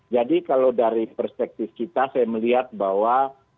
jadi kalau dari perspektif kita saya melihat bahwa